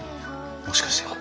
もしかしてここ。